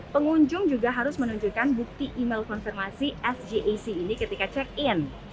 pengunjung juga harus menunjukkan bukti email konfirmasi sgac ini ketika check in